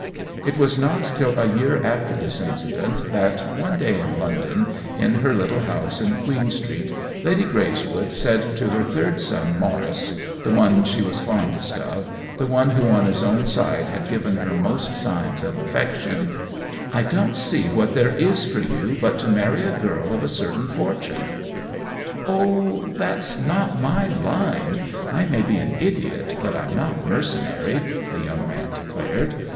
It was not till a year after this incident that, one day in London, in her little house in Queen Street, Lady Greyswood said to her third son, Maurice — the one she was fondest of, the one who on his own side had given her most signs of affection : THE WHEEL OF TIME 9 " I don't see what there is for you but to marry a girl of a certain fortune/* " Oh, that's not my line ! I may be an idiot, but I'm not mercenary," the young man declared.